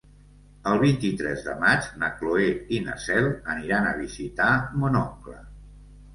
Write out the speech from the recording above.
El vint-i-tres de maig na Cloè i na Cel aniran a visitar mon oncle.